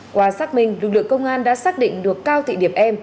qua xác minh lực lượng công an đã xác định được cao thị điệp em